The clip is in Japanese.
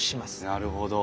なるほど。